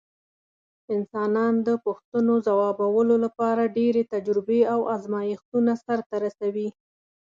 انسانان د پوښتنو ځوابولو لپاره ډېرې تجربې او ازمېښتونه سرته رسوي.